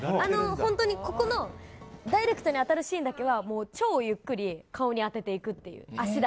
本当に、ここのダイレクトに当たるシーンだけは超ゆっくり顔に当てていくという。